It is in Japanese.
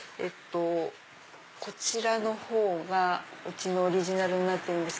こちらの方がうちのオリジナルになってるんです。